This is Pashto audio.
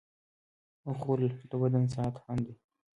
غول د بدن ساعت هم دی.